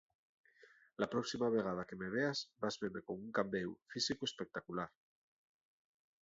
La próxima vegada que me veas vas veme con un cambéu físicu espectacular.